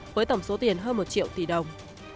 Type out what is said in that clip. với tổng số tiền hơn một triệu tỷ đồng